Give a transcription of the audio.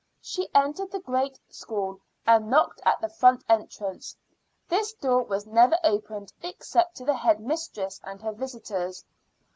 She entered the great school, and knocked at the front entrance. This door was never opened except to the head mistress and her visitors.